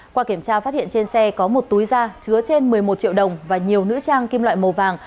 qua kiểm tra phát hiện trên xe có một túi da chứa trên một mươi một triệu đồng và nhiều nữ trang kim loại màu vàng